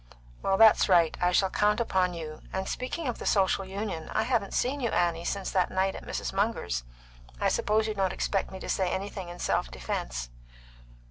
Well, that's right. I shall count upon you. And speaking of the Social Union, I haven't seen you, Annie, since that night at Mrs. Munger's. I suppose you don't expect me to say anything in self defence?"